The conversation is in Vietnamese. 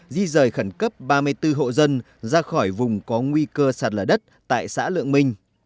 di rời khẩn cấp ba mươi bốn hộ dân ra khỏi vùng có nguy cơ sạt lở đất tại xã lượng minh